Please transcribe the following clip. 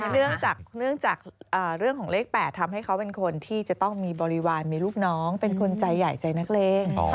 เนื่องจากเรื่องของเลข๘ทำให้เขาเป็นคนที่จะต้องมีบริวารมีลูกน้องเป็นคนใจใหญ่ใจนักเลง